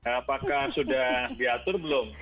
apakah sudah diatur belum